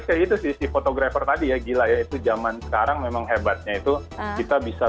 kayak itu sih si fotografer tadi ya gila ya itu zaman sekarang memang hebatnya itu kita bisa